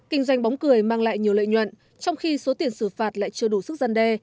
kinh doanh bóng cười mang lại nhiều lợi nhuận trong khi số tiền xử phạt lại chưa đủ sức gian đe